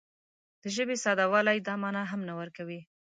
د ژبې ساده والی دا مانا هم نه ورکوي